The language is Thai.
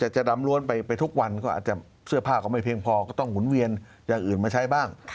จะดำล้วนไปทุกวันก็อาจจะเสื้อผ้าก็ไม่เพียงพอก็ต้องหมุนเวียนอย่างอื่นมาใช้บ้าง